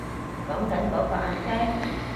講緊嗰個阿姐